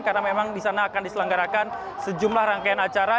karena memang disana akan diselenggarakan sejumlah rangkaian acara